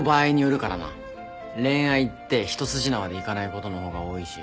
恋愛って一筋縄でいかないことの方が多いし。